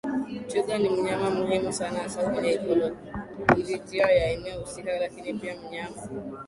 Twiga ni wanyama muhimu sana hasa kwenye ikolojia ya eneo husika lakini pia mnyama